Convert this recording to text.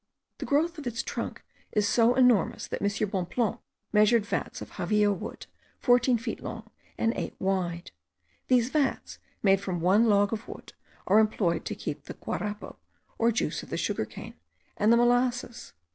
The growth of its trunk is so enormous, that M. Bonpland measured vats of javillo wood, 14 feet long and 8 wide. These vats, made from one log of wood, are employed to keep the guarapo, or juice of the sugar cane, and the molasses.